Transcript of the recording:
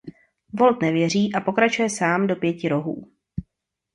Walt nevěří a pokračuje sám do Pěti rohů.